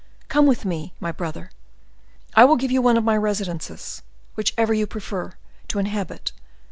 Come with me, my brother; I will give you one of my residences, whichever you prefer, to inhabit.